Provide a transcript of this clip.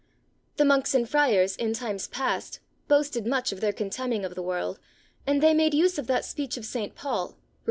The Monks and Friars, in times past, boasted much of their contemning of the world, and they made use of that speech of St. Paul (Rom.